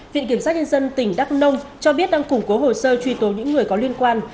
viện kiểm sát nhân dân tỉnh đắk nông cho biết đang củng cố hồ sơ truy tố những người có liên quan